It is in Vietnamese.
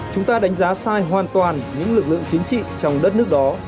chúng ta đánh giá sai hoàn toàn những lực lượng chính trị trong đất nước đó